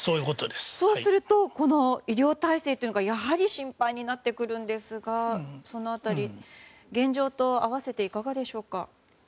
そうすると、医療体制というのがやはり心配になってくるんですがその辺り、現状と合わせていかがでしょうか？